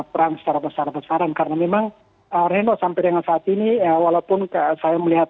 perang secara besar besaran karena memang reno sampai dengan saat ini walaupun saya melihat